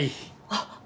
あっ。